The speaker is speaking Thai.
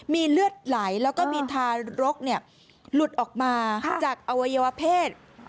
มีเลือดไหลแล้วก็มีทารกหลุดออกมาจากอวัยวเพศ